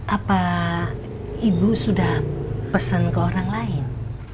apa ibu sudah pesan ke orang lain